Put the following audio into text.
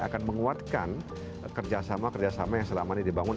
akan menguatkan kerjasama kerjasama yang selama ini dibangun